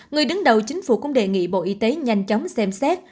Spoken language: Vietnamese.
người đứng đầu chính phủ cũng đề nghị bộ y tế nhanh chóng xem xét